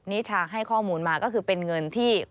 นิชาให้ข้อมูลมาก็คือเป็นเงินที่